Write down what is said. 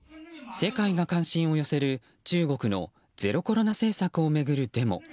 世界が関心を寄せる中国のゼロコロナ政策へのデモ。